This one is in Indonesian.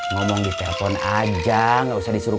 ngomong di telepon aja gak usah disuruh